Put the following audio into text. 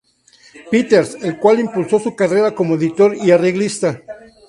Peters, el cual impulsó su carrera como editor y arreglista.